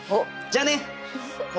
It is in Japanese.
じゃあね！